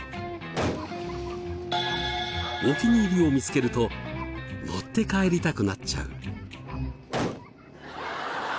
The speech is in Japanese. お気に入りを見つけると持って帰りたくなっちゃう。